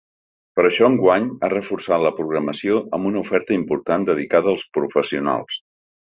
Per això enguany ha reforçat la programació amb una oferta important dedicada als professionals.